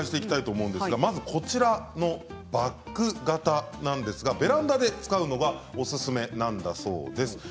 まずこちらのバッグ型なんですがベランダで使うのがおすすめなんだそうです。